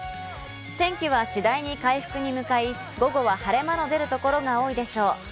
天気は次第に回復に向かい、午後は晴れ間の出る所が多いでしょう。